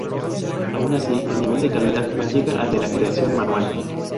Aun así, el nivel de calidad no llega al de la creación manual.